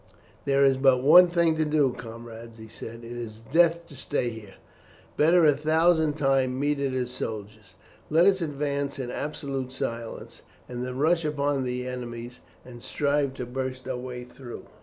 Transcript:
"There is but one thing to do, comrades," he said. "It is death to stay here. Better a thousand times meet it as soldiers. Let us advance in absolute silence, and then rush upon our enemies and strive to burst our way through.